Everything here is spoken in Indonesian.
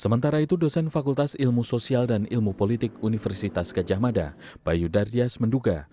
sementara itu dosen fakultas ilmu sosial dan ilmu politik universitas kejamada bayu dardias menduga